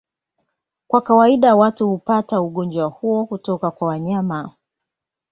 Kwa kawaida watu hupata ugonjwa huo kutoka kwa wanyama.